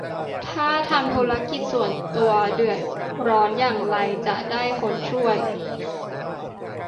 ถ้าทำธุรกิจส่วนตัวเดือดร้อนอย่างไรจะได้คนช่วย